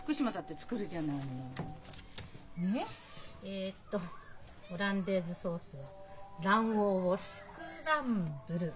えっとオランデーズソースは卵黄をスクランブル。